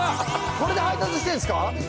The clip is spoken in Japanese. ・これで配達してるんですか？